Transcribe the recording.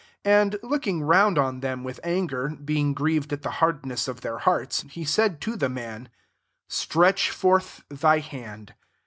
5 And looking round on them, with anger, he&ig grieved at the hardness of their hearts, he said to the mtik " Stretch forth thy hand.'